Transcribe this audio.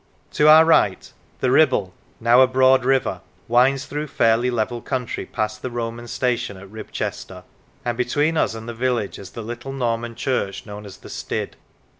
To our right, the Kibble, now a broad river, winds through fairly level country past the Roman station at Rib chester; and between us and the village is the little Norman church known as the Stidd.